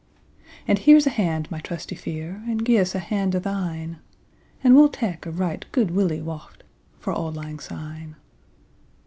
And here 's a hand, my trusty fiere, And gie's a hand o' thine; And we'll tak a right guid willie waught 15 For auld lang syne.